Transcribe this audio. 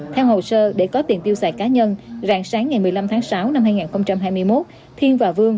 theo hồ sơ để có tiền tiêu xài cá nhân rạng sáng ngày một mươi năm tháng sáu năm hai nghìn hai mươi một thiên và vương